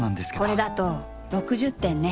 これだと６０点ネ。